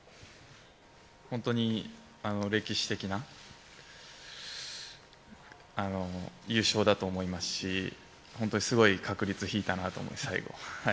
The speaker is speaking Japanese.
本当に歴史的な優勝だと思いますし本当にすごい確率を引いたなと最後。